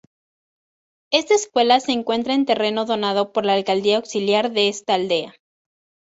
Esta escuela se encuentra en terreno donado por la Alcaldía Auxiliar de esta aldea.